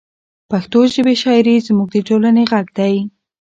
د پښتو ژبې شاعري زموږ د ټولنې غږ دی.